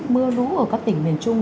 mưa lũ ở các tỉnh miền trung